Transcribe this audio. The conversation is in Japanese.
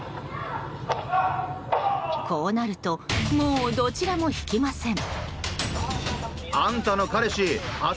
こうなるともう、どちらも引きません。